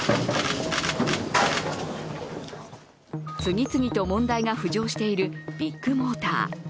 次々と問題が浮上しているビッグモーター。